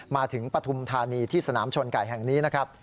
ปฐุมธานีที่สนามชนไก่แห่งนี้นะครับ